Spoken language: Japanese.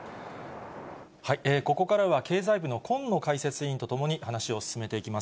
ここからは経済部の近野解説委員と共に話を進めていきます。